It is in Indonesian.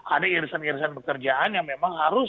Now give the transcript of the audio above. ada irisan irisan pekerjaan yang memang harus